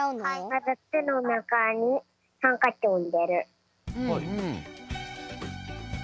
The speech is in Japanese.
まずてのなかにハンカチをいれる。